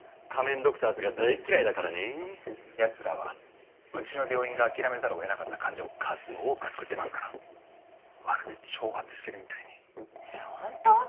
ドクターズが大嫌いだからねやつらはうちの病院が諦めざるをえなかった患者を数多く救ってますからまるで挑発してるみたいにえっホント？